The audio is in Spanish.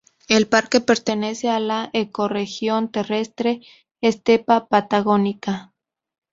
El parque pertenece a la ecorregión terrestre estepa patagónica.